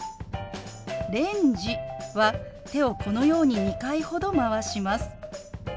「レンジ」は手をこのように２回ほどまわします。